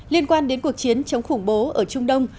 liên quan đến cuộc chiến chống khủng bố ở trung đông